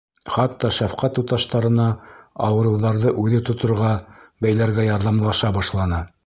Хатта шәфҡәт туташтарына ауырыуҙарҙы үҙе тоторға, бәйләргә ярҙамлаша башланы.